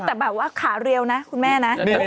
แต่แบบว่าขาเรียวนะคุณแม่นะ